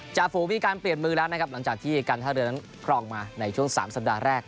จะฝูมีการเปลี่ยนมือแล้วหลังจากที่การทะเลือกเข้าออกมาในช่วง๓สัปดาห์แรก